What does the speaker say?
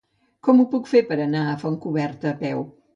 Com ho puc fer per anar a Fontcoberta a peu?